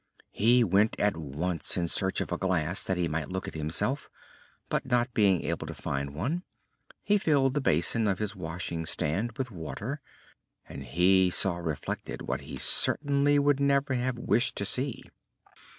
He went at once in search of a glass that he might look at himself, but, not being able to find one, he filled the basin of his washing stand with water, and he saw reflected what he certainly would never have wished to see.